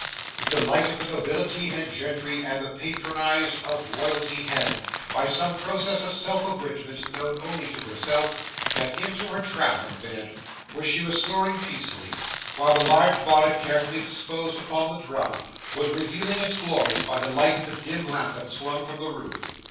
The delight of the Nobility and Gentry and the patronised of Royalty had, by some process of self abridgment known only to herself, got into her travelling bed, where she was snoring peacefully, while the large bonnet, carefully disposed upon the drum, was revealing its glories by the light of a dim lamp that swung from the roof.